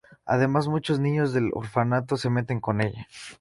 Además, muchos niños del orfanato se meten con ella.